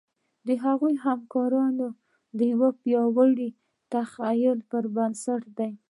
د هغوی همکاري د یوه پیاوړي تخیل پر بنسټ ده.